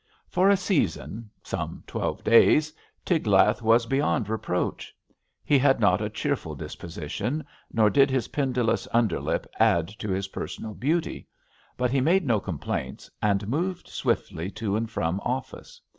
For a season — some twelve days — Tiglath was beyond reproach. He had not a cheerful disposi tion, nor did his pendulous underlip add to his personal beauty; but he made no complaints, and moved swiftly to and from office.